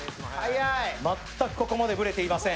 全くここまでブレていません。